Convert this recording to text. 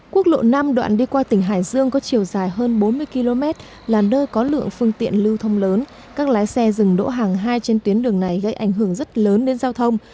quốc lộ năm đoạn đi qua tỉnh hải dương có chiều dài hơn bốn mươi km là nơi có lượng phương tiện lưu thông lớn các lái xe dừng đỗ hàng hai trên tuyến đường này gây ảnh hưởng rất lớn đến giao thông